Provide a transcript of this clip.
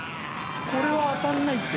「これは当たんないって！」